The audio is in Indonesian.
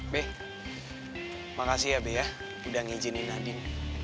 beh makasih ya beh ya udah ngijinin nadin